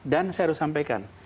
dan saya harus sampaikan